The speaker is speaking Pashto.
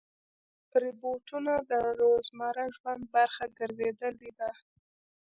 روبوټونه د روزمره ژوند برخه ګرځېدلي دي.